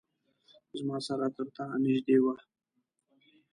زما سره ترتا نیژدې وه